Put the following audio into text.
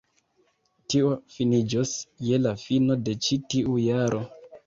Tio finiĝos je la fino de ĉi tiu jaro